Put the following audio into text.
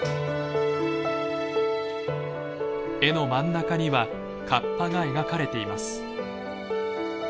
絵の真ん中にはカッパが描かれています。